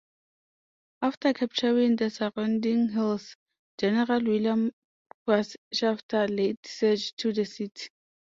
After capturing the surrounding hills, General William Rufus Shafter laid siege to the city.